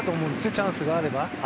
チャンスがあれば。